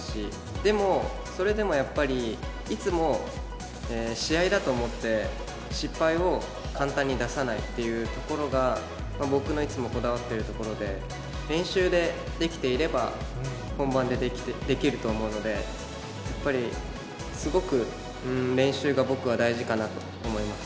でも、それでもやっぱり、いつも試合だと思って、失敗を簡単に出さないというところが、僕のいつもこだわっているところで、練習でできていれば、本番でできると思うので、やっぱり、すごく練習が僕は大事かなと思います。